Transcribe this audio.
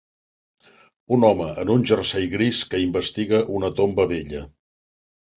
Un home en un jersei gris que investiga una tomba vella